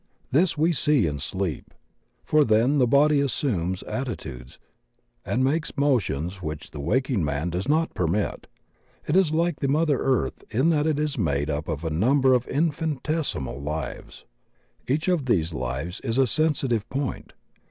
This we see in sleep, for then the body assumes atti tudes and makes motions which the waking man does not permit. It is like mother earth in that it is made up of a number of infinitesimal "Uves." Each of these lives is a sensitive point.